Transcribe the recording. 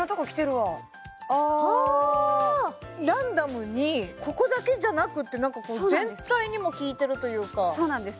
ランダムにここだけじゃなくって何かこう全体にも効いてるというかそうなんです